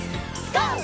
ＧＯ！